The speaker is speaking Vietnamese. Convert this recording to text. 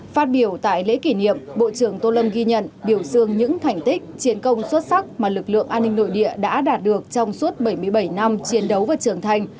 phát biểu tại lễ kỷ niệm bộ trưởng tô lâm ghi nhận biểu dương những thành tích chiến công xuất sắc mà lực lượng an ninh nội địa đã đạt được trong suốt bảy mươi bảy năm chiến đấu và trưởng thành